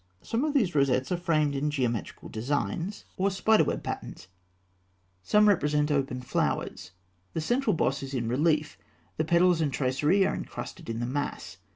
Some of these rosettes are framed in geometrical designs (fig. 238) or spider web patterns; some represent open flowers. The central boss is in relief; the petals and tracery are encrusted in the mass.